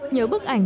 nhớ bức ảnh